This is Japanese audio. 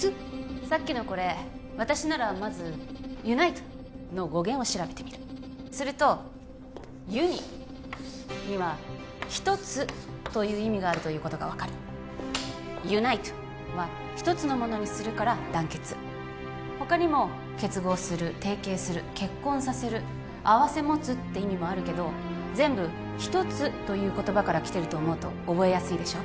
さっきのこれ私ならまずｕｎｉｔｅの語源を調べてみるすると「ｕｎｉ」には「一つ」という意味があるということが分かる「ｕｎｉｔｅ」は一つのものにするから「団結」他にも「結合する」「提携する」「結婚させる」「併せ持つ」って意味もあるけど全部「一つ」という言葉からきてると思うと覚えやすいでしょ？